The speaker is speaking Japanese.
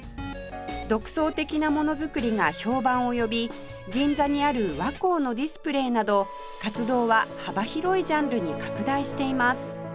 独創的なもの作りが評判を呼び銀座にある和光のディスプレーなど活動は幅広いジャンルに拡大しています